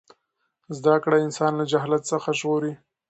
زده کړه انسان له جهالت څخه ژغوري.